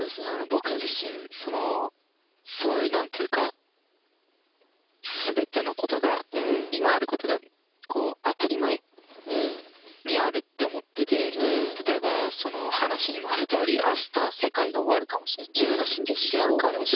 僕自身そのすごい何て言うか全てのことが今あることが当たり前にあるって思ってて例えばその話にもあるとおり明日世界が終わるかもしれない自分が死んでしまうかもしれない。